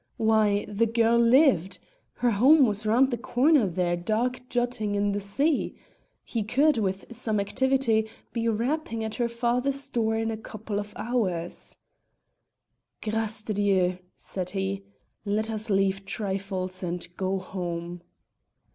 Why, the girl lived! her home was round the corner there dark jutting in the sea! He could, with some activity, be rapping at her father's door in a couple of hours! "Grace de Dieu!" said he, "let us leave trifles and go home."